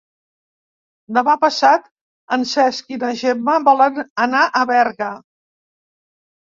Demà passat en Cesc i na Gemma volen anar a Berga.